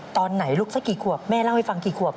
ตอนไหนลูกสักกี่ขวบแม่เล่าให้ฟังกี่ขวบ